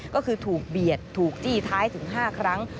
ก็คือถูกเบียดถูกจี้ท้ายถึง๕ครั้ง